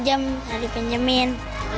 nanti kalau ada yang mau pinjam bisa dipinjemin